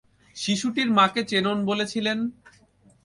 শিশুটির মাকে চেনেন বলেছিলেন!